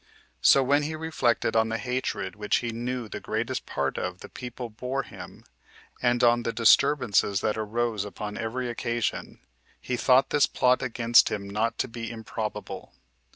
So when he reflected on the hatred which he knew the greatest part of the people bore him, and on the disturbances that arose upon every occasion, he thought this plot against him not to be improbable.